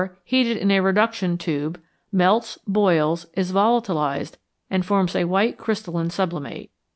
4. Heated in a reduction tube Melts, boils, is volatilized, and forms a white crystalline sublimate.